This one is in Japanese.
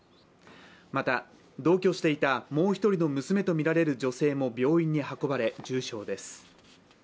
また、同居していたもう１人の娘とみられる女性も病院に運ばれ重傷です。